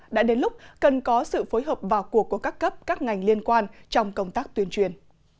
đã đến lúc cần có sự phối hợp vào cuộc của các cấp các ngành liên quan trong công tác tuyên truyền